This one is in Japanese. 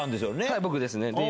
はい僕ですね。